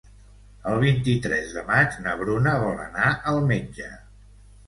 El vint-i-tres de maig na Bruna vol anar al metge.